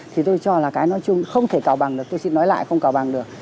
thì tôi cho là cái nói chung không thể cào bằng được tôi xin nói lại không cào bằng được